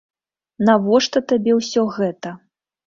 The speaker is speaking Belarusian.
Навошта табе ўсё гэта?